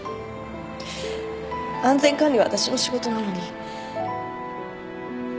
安全管理はわたしの仕事なのに。